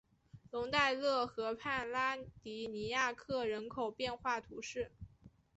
龙代勒河畔拉迪尼亚克人口变化图示